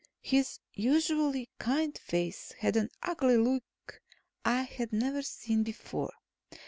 His usually kind face had an ugly look I had never seen before.